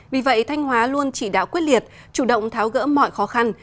vì vậy thanh hóa luôn chỉ đạo quyết liệt chủ động tháo gỡ mọi khó khăn